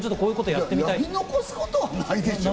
やり残すことはないでしょ。